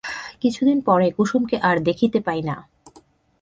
কিছুদিন পরে কুসুমকে আর দেখিতে পাই না।